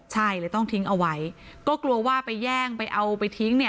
ใช่เลยต้องทิ้งเอาไว้ก็กลัวว่าไปแย่งไปเอาไปทิ้งเนี่ย